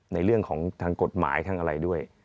ในเรื่องของทางกฎหมายทางอะไรด้วย